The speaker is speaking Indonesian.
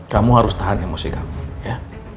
kamu harus tahan emosi kamu ya